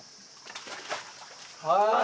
はい！